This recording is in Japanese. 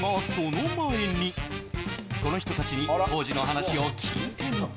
この人たちに当時の話を聞いてみた